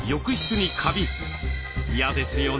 嫌ですよね。